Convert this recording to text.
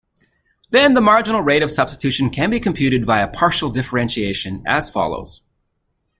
Then the marginal rate of substitution can be computed via partial differentiation, as follows.